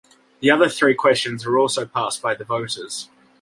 The other three questions were also passed by the voters.